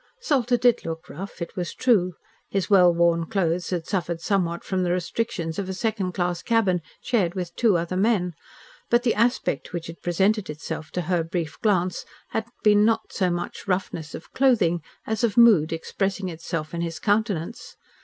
Salter did look rough, it was true. His well worn clothes had suffered somewhat from the restrictions of a second class cabin shared with two other men. But the aspect which had presented itself to her brief glance had been not so much roughness of clothing as of mood expressing itself in his countenance.